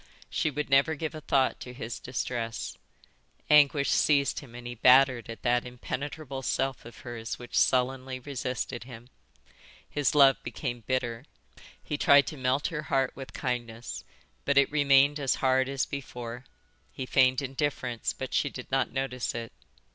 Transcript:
She would never give a thought to his distress. Anguish seized him and he battered at that impenetrable self of hers which sullenly resisted him. His love became bitter. He tried to melt her heart with kindness, but it remained as hard as before; he feigned indifference, but she did not notice it.